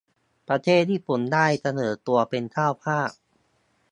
ประเทศญี่ปุ่นได้เสนอตัวเป็นเจ้าภาพ